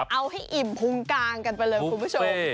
เอาให้อิ่มพรุ่งกลางกันไปมีพี่ผู้ชม